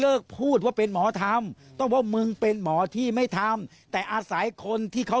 เลื่อนชื่อเป็นหมอไม่ทำกล่ะ